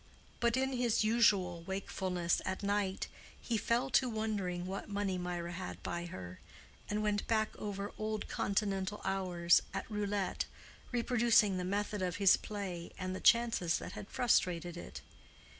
But in his usual wakefulness at night, he fell to wondering what money Mirah had by her, and went back over old Continental hours at Roulette, reproducing the method of his play, and the chances that had frustrated it.